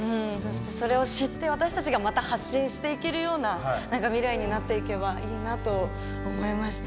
それを知って私たちがまた発信していけるような未来になっていけばいいなと思いました。